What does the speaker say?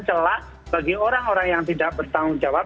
celah bagi orang orang yang tidak bertanggung jawab